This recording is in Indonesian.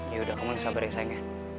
yaudah kamu lagi sabar ya sayangnya